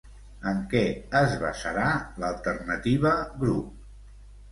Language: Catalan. En què es basarà l'alternativa "grup"?